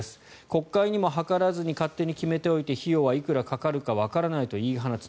国会にも諮らずに勝手に決めておいて費用はいくらかかるかわからないと言い放つ。